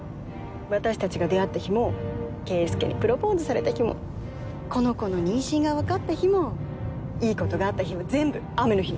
私たちが出会った日も圭介にプロポーズされた日もこの子の妊娠が分かった日もいいことがあった日は全部雨の日なんだよ。